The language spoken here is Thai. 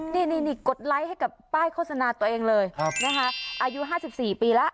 ไลค์ให้กับป้ายโฆษณาตัวเองเลยอายุ๕๔ปีและ